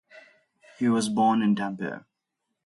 He was born in Tampere.